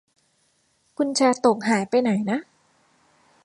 กุญแจตกหายไปไหนนะ